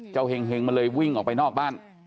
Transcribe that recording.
เห็งมันเลยวิ่งออกไปนอกบ้าน